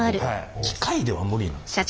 機械では無理なんですか？